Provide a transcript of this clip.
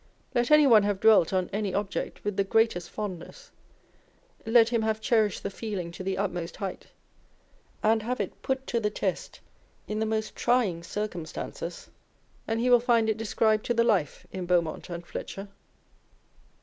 Let any one have dwelt on any object with the greatest fondness, let him have cherished the feeling to the utmost height, and have it put to the test in the most trying circumstances, and he will find it described to the life in Beaumont and Fletcher.